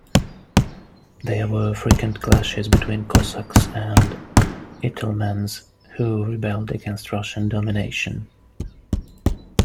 There were frequent clashes between Cossacks and Itelmens, who rebelled against Russian domination.